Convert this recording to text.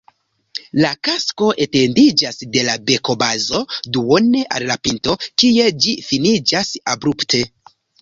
La kasko etendiĝas de la bekobazo duone al la pinto, kie ĝi finiĝas abrupte.